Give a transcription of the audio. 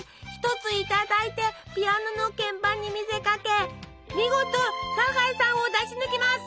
１ついただいてピアノの鍵盤に見せかけ見事サザエさんを出し抜きます！